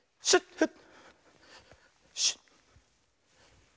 フッ。